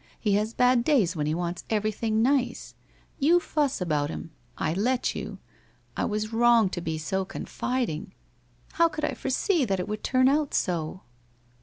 He has bad days when he wants everything nice ! You fuss about him. I let you. I was wrong to be so confiding. How could I foresee that it would turn out so